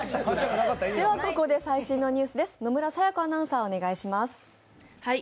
ここで最新のニュースです。